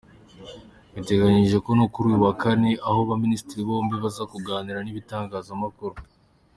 Biteganiyijwe ko kuri uyu wa Kane abo baminisitiri bombi baza kuganira n’itangazamakuru.